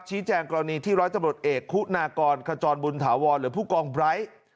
แจ้งกรณีที่ร้อยตำรวจเอกคุณากรขจรบุญถาวรหรือผู้กองไร้